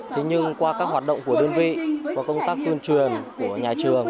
thế nhưng qua các hoạt động của đơn vị và công tác tuyên truyền của nhà trường